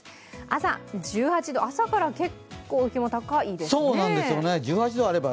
朝、１８度、朝から結構気温高いですね。